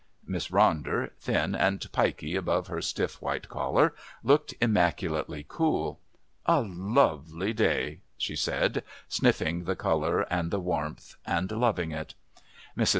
Miss Ronder, thin and piky above her stiff white collar, looked immaculately cool. "A lovely day," she said, sniffing the colour and the warmth, and loving it. Mrs.